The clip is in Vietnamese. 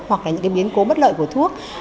hoặc là những biến cố bất lợi của thuốc